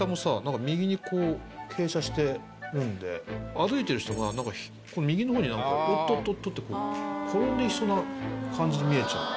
歩いてる人がなんか右の方におっとっとって転んでいきそうな感じに見えちゃう。